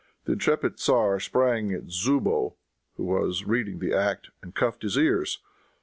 The intrepid tzar sprang at Zoubow, who was reading the act, and cuffed his ears.